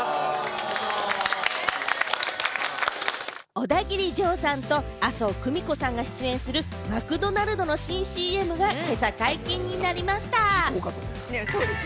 オダギリジョーさんと麻生久美子さんが出演するマクドナルドの新ＣＭが今朝、解禁になりました。